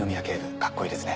かっこいいですね。